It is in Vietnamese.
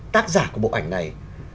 tác giả của bộ ảnh này